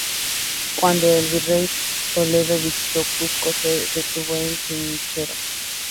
Cuando el virrey Toledo visitó Cusco, se detuvo en Chinchero.